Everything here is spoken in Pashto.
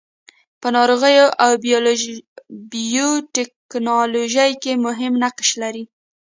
په ناروغیو او بیوټیکنالوژي کې مهم نقش لري.